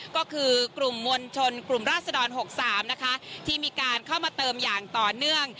ก็คือกลุ่มมวลชนกลุ่มราศดร๖๓นะคะที่มีการเข้ามาเติมอย่างต่อเนื่อง